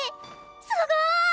すごい！